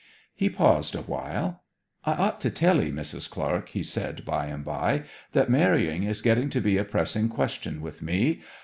He paused awhile. 'I ought to tell 'ee, Mrs. Clark,' he said by and by, 'that marrying is getting to be a pressing question with me.